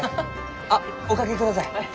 あっお掛けください。